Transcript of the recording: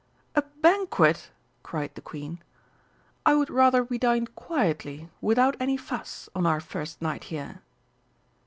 "A banquet!" cried the Queen. "I would rather we dined quietly, without any fuss, on our first night here."